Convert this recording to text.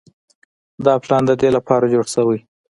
دا پلان د دې لپاره جوړ شوی